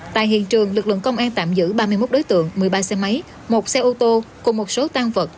tại hiện trường lực lượng công an tạm giữ ba mươi một đối tượng một mươi ba xe máy một xe ô tô cùng một số tan vật